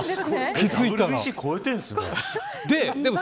ＷＢＣ超えてるんですね。